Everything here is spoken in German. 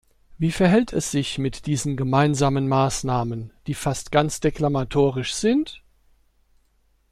Wie verhält es sich mit diesen Gemeinsamen Maßnahmen, die fast ganz deklamatorisch sind?